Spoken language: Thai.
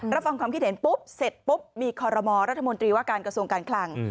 รับฟังความคิดเห็นปุ๊บเสร็จปุ๊บมีคอรมอรัฐมนตรีว่าการกระทรวงการคลัง